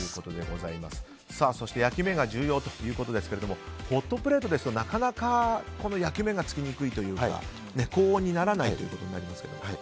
焼き目が重要ということですけれどもホットプレートですと、なかなか焼き目がつきにくいというか高温にならないということになりますね。